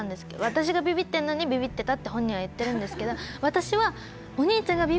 私がびびってるのにびびってたって本人は言ってるんですけど私はそっちにね。